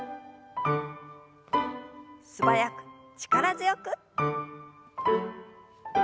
素早く力強く。